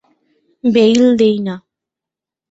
Bail দেই না।